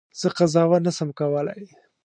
زه قضاوت نه سم کولای.